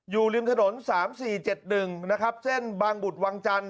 อยู่ริมถนน๓๔๗๑แช่นบางบุตรวังจันทร์